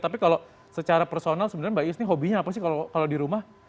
tapi kalau secara personal sebenarnya mbak is ini hobinya apa sih kalau di rumah